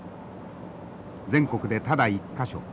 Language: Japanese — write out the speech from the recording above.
全国でただ１か所